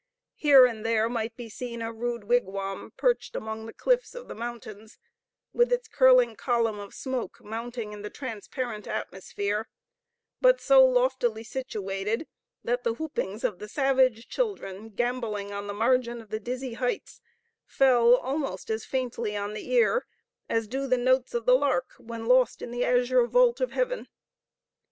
Here and there might be seen a rude wigwam perched among the cliffs of the mountains, with its curling column of smoke mounting in the transparent atmosphere, but so loftily situated that the whoopings of the savage children, gamboling on the margin of the dizzy heights, fell almost as faintly on the ear as do the notes of the lark when lost in the azure vault of heaven.